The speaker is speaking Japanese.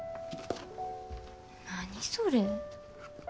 何それ。